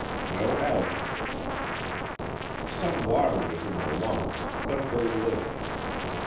No algae were found. Some water was in the lungs, but very little.